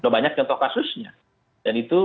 banyak yang tahu kasusnya dan itu